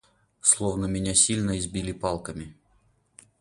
Словно меня сильно избили палками